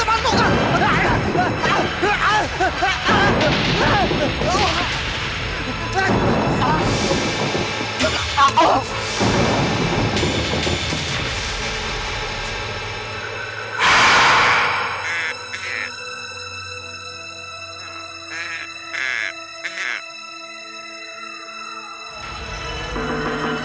kang sadar kang aku di tempatmu kang